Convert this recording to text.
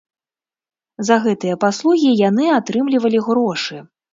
За гэтыя паслугі яны атрымлівалі грошы.